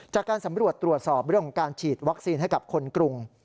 จากการสำรวจตรวจสอบเรื่องของการฉีดวัคซีนให้กับคนกรุง